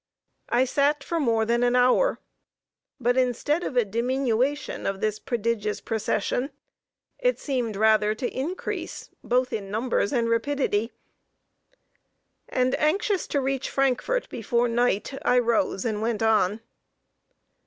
I sat for more than an hour, but, instead of a diminution of this prodigious procession, it seemed rather to increase both in numbers and rapidity, and, anxious to reach Frankfort before night, I rose and went on.